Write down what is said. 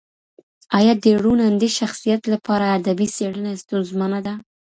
ایا د روڼ اندي شخصیت لپاره ادبي څېړنه ستونزمنه ده؟